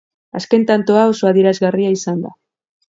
Azken tantoa oso adierazgarria izan da.